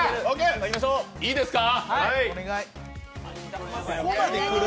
いいですか。